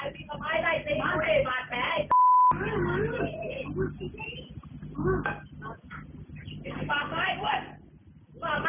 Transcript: เดี๋ยวมันแหละแบบ